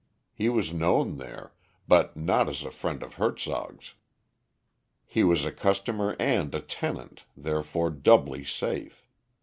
He was known there, but not as a friend of Hertzog's. He was a customer and a tenant, therefore doubly safe.